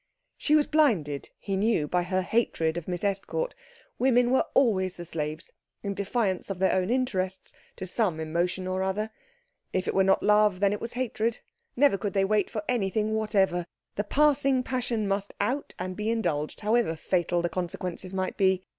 She was blinded, he knew, by her hatred of Miss Estcourt. Women were always the slaves, in defiance of their own interests, to some emotion or other; if it was not love, then it was hatred. Never could they wait for anything whatever. The passing passion must out and be indulged, however fatal the consequences might be.